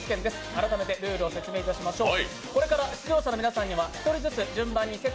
改めてルールを説明いたしましょう。